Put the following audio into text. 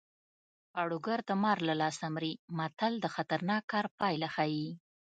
پاړوګر د مار له لاسه مري متل د خطرناک کار پایله ښيي